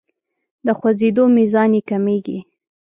د خوځیدو میزان یې کمیږي.